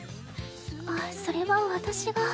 あっそれは私が。